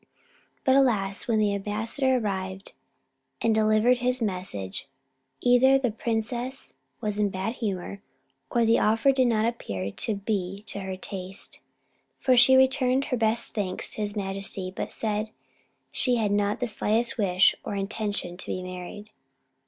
But, alas! when the ambassador arrived and delivered his message, either the princess was in a bad humor, or the offer did not appear to be to her taste; for she returned her best thanks to his majesty, but said she had not the slightest wish or intention to be married.